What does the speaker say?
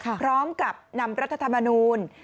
พร้อมกับนำรัฐธรรมนูล